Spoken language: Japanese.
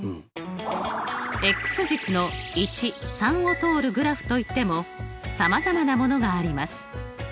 軸の１３を通るグラフといってもさまざまなものがあります。